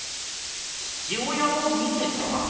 父親を見てた？